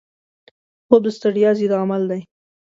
خوب د ستړیا ضد عمل دی